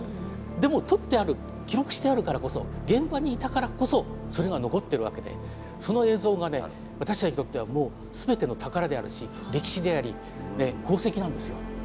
でも撮ってある記録してあるからこそ現場にいたからこそそれが残ってるわけでその映像がね私らにとってはもう全ての宝であるし歴史であり宝石なんですよ。